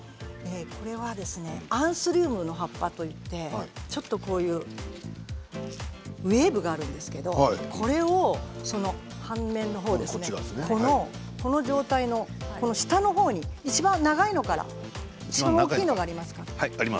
これはアンスリウムの葉っぱといいましてウエーブがあるんですけれどもこれを半面のほうこの状態の下のほうにいちばん長いのがいちばん大きいのがありますか？